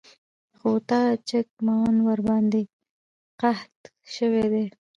خو تاجک معاون ورباندې قحط شوی دی.